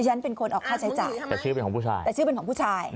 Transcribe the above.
ดิฉันเป็นคนออกค่าใช้จ่ายแต่ชื่อเป็นของผู้ชาย